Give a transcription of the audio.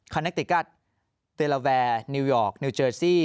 แนคติกัสเตลาแวร์นิวยอร์กนิวเจอร์ซี่